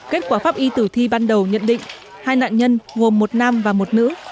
kết quả pháp y tử thi ban đầu nhận định hai nạn nhân gồm một nam và một nữ